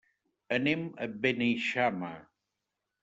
Anem a Beneixama.